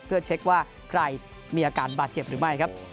เพื่อเช็คว่าใครมีอาการบาดเจ็บหรือไม่ครับ